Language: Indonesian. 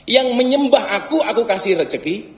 yang menyembah aku aku kasih rezeki